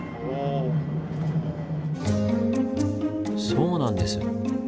そうなんです。